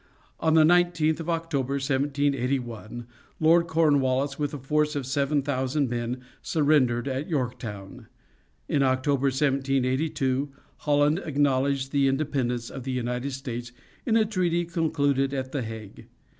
On the 19th of October, 1781, Lord Cornwallis, with a force of seven thousand men, surrendered at Yorktown. In October, 1782, Holland acknowledged the independence of the United States in a treaty concluded at The Hague.